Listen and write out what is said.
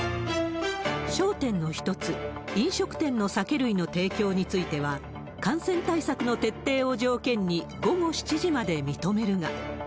焦点の一つ、飲食店の酒類の提供については、感染対策の徹底を条件に午後７時まで認めるが。